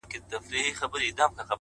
• چي پخپله یې پر کور د مرګ ناره سي ,